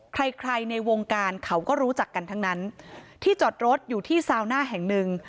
ใครใครในวงการเขาก็รู้จักกันทั้งนั้นที่จอดรถอยู่ที่ซาวน่าแห่งหนึ่ง